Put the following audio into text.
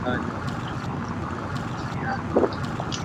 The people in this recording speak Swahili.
Karume aliupinga akaja na mpango wake tofauti wa miaka mitatu kwa Zanzibar